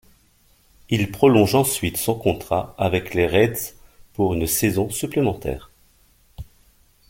Il prolonge ensuite son contrat avec les Reds pour une saison supplémentaire.